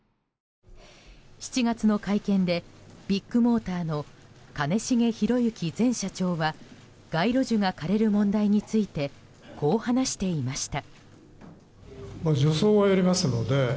７月の会見でビッグモーターの兼重宏行前社長は街路樹が枯れる問題についてこう話していました。